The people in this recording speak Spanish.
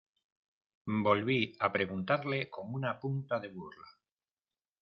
volví a preguntarle con una punta de burla: